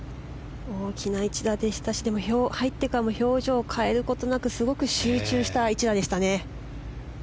大きな１打でしたし入ってからも表情を変えることなくすごく集中した１打でしたね。